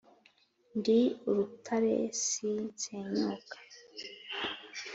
ndi urutare si nsenyuka.